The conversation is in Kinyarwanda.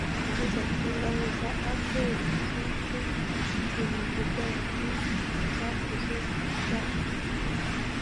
wagize ati: ingabo za apr zishe ibihumbi by'abantu zakoze ibyaha